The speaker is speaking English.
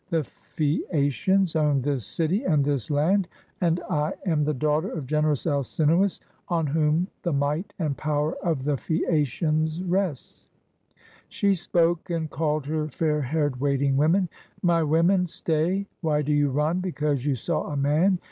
The Phaeacians own this city and this land, and I am the daughter of generous Alcinoiis, on whom the might and power of the Phaeacians rests." She spoke, and called her fair haired waiting women : "My women, stay! Why do you run because you saw a man?